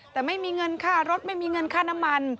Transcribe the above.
แต่ไม่มีเงินค่ารถไม่มีเงินค่าน้ำมัน